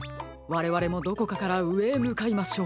われわれもどこかからうえへむかいましょう。